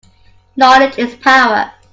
Knowledge is power.